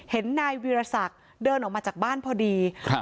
เห็นนายวีรศักดิ์เดินออกมาจากบ้านพอดีครับ